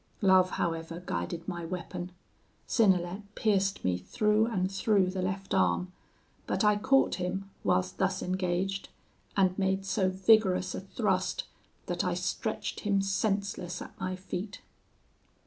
Love, however, guided my weapon. Synnelet pierced me through and through the left arm; but I caught him whilst thus engaged, and made so vigorous a thrust that I stretched him senseless at my feet.